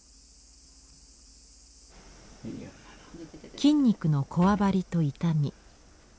筋肉のこわばりと痛み。